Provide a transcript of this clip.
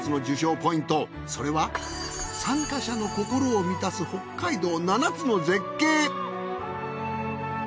ポイントそれは参加者の心を満たす北海道７つの絶景